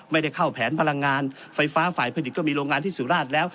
ไม่ได้เข้าแผนพลังงานไฟฟ้าฝ่ายผลิตก็มีโรงงานที่สุราชแล้ว